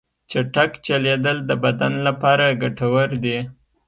چټک چلیدل د بدن لپاره ګټور دي.